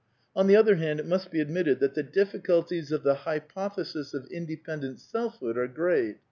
On the other hand, it must be ad mitted that the difficulties of the hypothesis of independent selfhood are great.